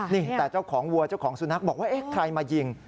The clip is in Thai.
นี่แต่เจ้าของวัวเจ้าของสุนัขบอกว่าเอ๊ะใครมายิง